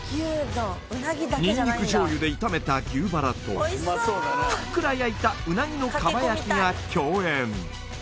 にんにく醤油で炒めた牛バラとふっくら焼いた鰻の蒲焼きが共演